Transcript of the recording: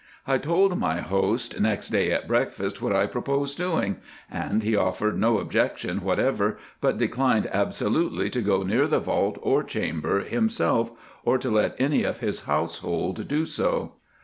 I told my host next day at breakfast what I proposed doing, and he offered no objection whatever, but declined absolutely to go near the vault or chamber himself, or to let any of his household do so.